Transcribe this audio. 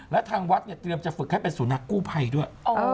แล้วทางวัดเนี่ยเตรียมจะฝึกให้เป็นสุนัขกู้ภัยด้วย